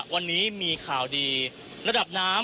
คุณทัศนาควดทองเลยค่ะ